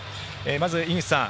まず、井口さん